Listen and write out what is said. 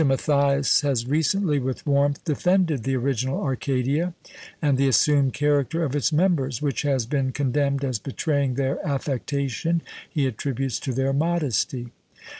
Mathias has recently with warmth defended the original Arcadia; and the assumed character of its members, which has been condemned as betraying their affectation, he attributes to their modesty.